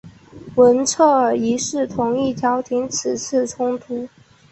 文策尔一世同意调停此次冲突。